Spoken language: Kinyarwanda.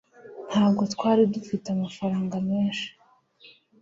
ntabwo twari dufite amafaranga menshi